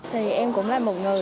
thì em cũng là một người